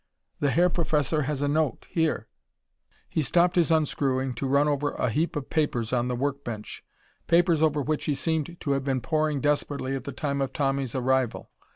The Herr Professor has a note, here " He stopped his unscrewing to run over a heap of papers on the work bench papers over which he seemed to have been poring desperately at the time of Tommy's arrival.